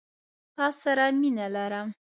تا سره مينه لرم